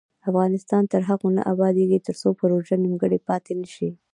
افغانستان تر هغو نه ابادیږي، ترڅو پروژې نیمګړې پاتې نشي.